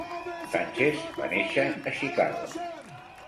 Sánchez va néixer a Chicago.